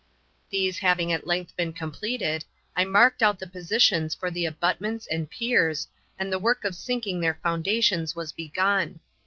These having at length been completed, I marked out the positions for the abutments and piers, and the work of sinking their foundations was begun.